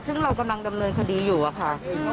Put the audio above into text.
ซึ่งเรากำลังดำเนินคดีอยู่อะค่ะ